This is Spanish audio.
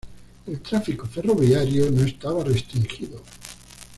El tráfico ferroviario no estaba restringido.